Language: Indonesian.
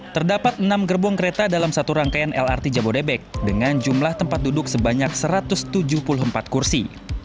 terdapat enam gerbong kereta dalam satu rangkaian lrt jabodebek dengan jumlah tempat duduk sebanyak satu ratus tujuh puluh empat kursi